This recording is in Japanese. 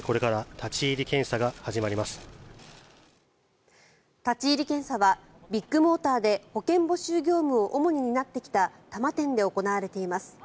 立ち入り検査はビッグモーターで保険募集業務を主に担ってきた多摩店で行われています。